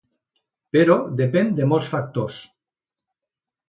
Però depèn de molts factors.